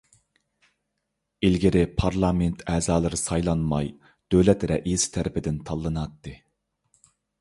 ئىلگىرى پارلامېنت ئەزالىرى سايلانماي، دۆلەت رەئىسى تەرەپتىن تاللىناتتى.